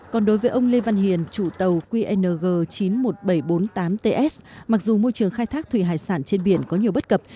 còn đối với ông lê văn hiền chủ tàu qng chín mươi một nghìn bảy trăm bốn mươi tám ts mặc dù môi trường khai thác thủy hải sản trên biển có nhiều bất cập